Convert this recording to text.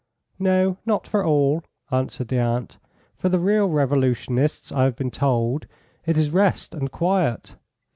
"No, not for all," answered the aunt. "For the real revolutionists, I have been told, it is rest and quiet.